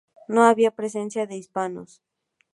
No había presencia de hispanos.